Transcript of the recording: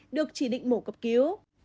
được chỉ định mổ cấp cứu